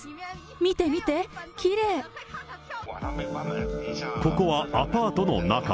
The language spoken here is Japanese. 見て見て、ここはアパートの中。